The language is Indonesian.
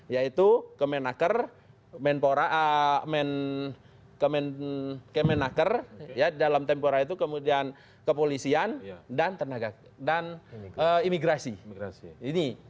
yaitu kemenaker kemenakera kemudian kepolisian dan tenaga dan imigrasi